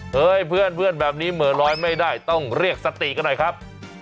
เฮ้ยเพื่อนแบบนี้เหมือนร้อยไม่ได้ต้องเรียกสติกันหน่อยครับ